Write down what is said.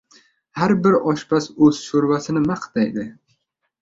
• Har bir oshpaz o‘z sho‘rvasini maqtaydi.